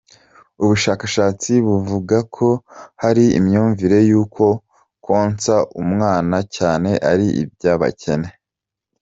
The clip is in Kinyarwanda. Ubushakashatsi buvuga ko hari imyumvire y’uko konsa umwana cyane ari iby’abakene.